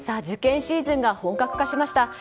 受験シーズンが本格化しました。